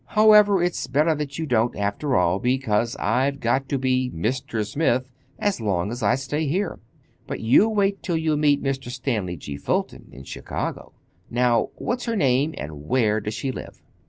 "However, it's better that you don't, after all. Because I've got to be 'Mr. Smith' as long as I stay here. But you wait till you meet Mr. Stanley G. Fulton in Chicago! Now, what's her name, and where does she live?"